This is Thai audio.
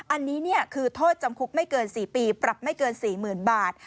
อันนี้คือโทษจำคุกไม่เกิน๔ปีปรับไม่เกิน๔๐๐๐บาท